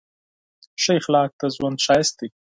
ښه اخلاق د ژوند ښایست دی.